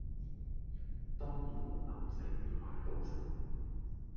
當然無男仔會埋到身